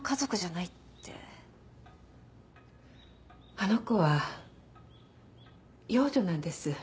あの子は養女なんです。